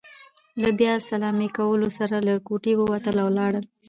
له بیا سلامۍ کولو سره له کوټې ووتل، او لاړل.